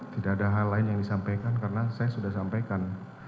tidak ada hal lain yang disampaikan karena saya sudah sampaikan